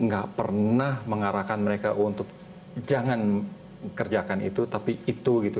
gak pernah mengarahkan mereka untuk jangan kerjakan itu tapi itu gitu